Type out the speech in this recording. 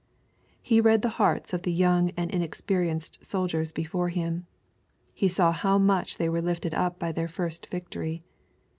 He read the hearts of the young and inexperienced soldiers before Him. He saw how much they were lifted up by their first victory.